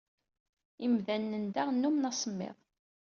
Imdanen n da nnumen asemmiḍ.